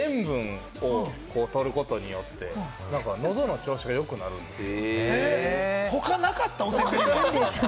でも塩分をとることによって、喉の調子がよくなるという。